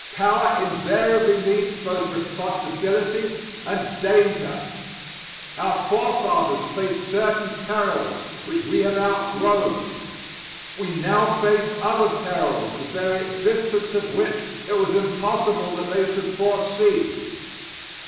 Power invariably means both responsibility and danger. Our forefathers faced certain perils which we have outgrown. We now face other perils the very existence of which it was impossible that they should foresee.